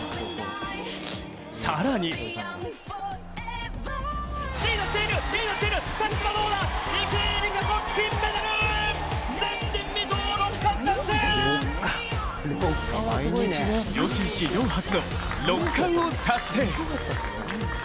更に女子史上初の６冠を達成。